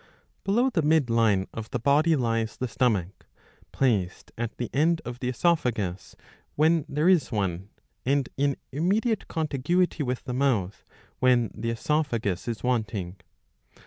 Below the mid line of the body lies the stomach, placed at the end of the oesophagus, when there is one, and in immediate contiguity with the mouth, when the CESophagus is wanting.